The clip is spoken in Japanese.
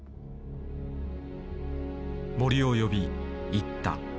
森を呼び言った。